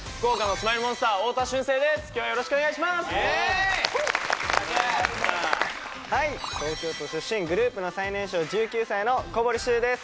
はい東京都出身グループの最年少１９歳の小堀柊です